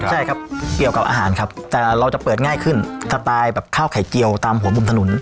ใช่ครับเกี่ยวกับอาหารครับแต่เราจะเปิดง่ายขึ้นสไตล์แบบข้าวไข่เจียวตามหัวมุมถนน